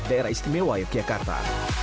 daerah istimewa yogyakarta